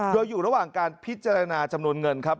โดยอยู่ระหว่างการพิจารณาจำนวนเงินครับ